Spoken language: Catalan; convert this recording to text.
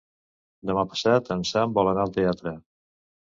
Demà passat en Sam vol anar al teatre.